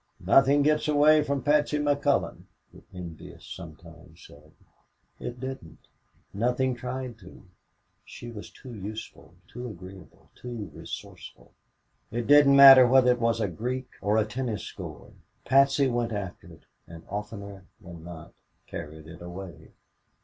"Nothing gets away from Patsy McCullon," the envious sometimes said. It didn't, nothing tried to: she was too useful, too agreeable, too resourceful. It didn't matter whether it was a Greek or a tennis score, Patsy went after it, and oftener than not carried it away.